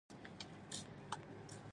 په الوتکه کې چې کېناستم.